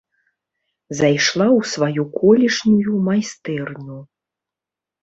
Зайшла ў сваю колішнюю майстэрню.